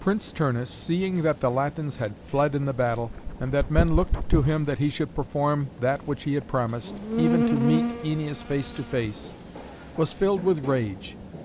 Prince Turnus, seeing that the Latins had fled in the battle, and that men looked to him that he should perform that which he had promised, even to meet Æneas face to face, was filled with rage.